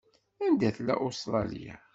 Anda tella Ustṛalya?